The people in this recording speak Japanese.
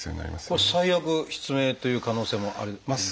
これは最悪失明という可能性もありますか？